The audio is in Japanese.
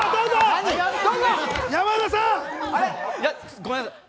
ごめんなさい。